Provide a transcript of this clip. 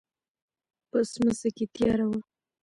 په سمڅه کې تياره وه.